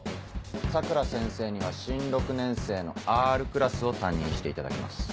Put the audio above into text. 佐倉先生には新６年生のＲクラスを担任していただきます。